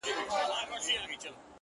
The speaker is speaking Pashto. لکه ماسوم بې موره’